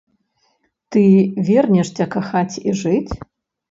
Ты вернешся кахаць і жыць?